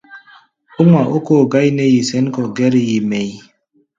Ó ŋma ókóo gáí nɛ́ yi sɛ̌n kɔ̧ gɛ́r-yi mɛʼí̧.